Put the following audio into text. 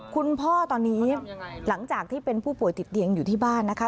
คุณพ่อตอนนี้หลังจากที่เป็นผู้ป่วยติดเตียงอยู่ที่บ้านนะคะ